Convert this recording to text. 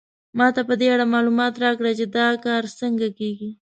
ما ته په دې اړه معلومات راکړئ چې دا کار څنګه کیږي